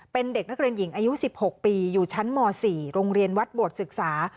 เป็นเด็กนักเรียนหญิงอายุ๑๖ปีอยู่ชั้นม๔โรงเรียนวัดโบสถศึกษา